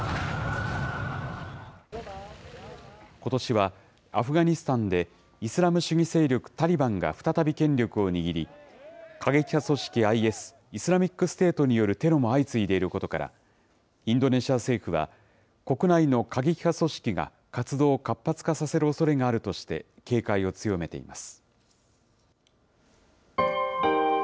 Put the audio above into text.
ことしはアフガニスタンで、イスラム主義勢力タリバンが再び権力を握り、過激派組織ＩＳ・イスラミックステートによるテロも相次いでいることから、インドネシア政府は、国内の過激派組織が活動を活発化させるおそれがあるとして警戒を強めています。